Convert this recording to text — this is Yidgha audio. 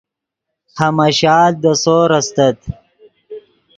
ہماشال دے سور استت